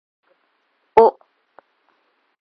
お